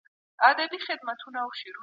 ما واورېدل چي کتابتون او میز څېړنه ورته دي.